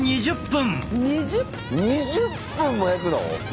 ２０分も焼くの？